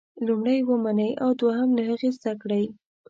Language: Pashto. لومړی یې ومنئ او دوهم له هغې زده کړئ.